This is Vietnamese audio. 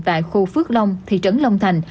tại khu phước long thị trấn long thành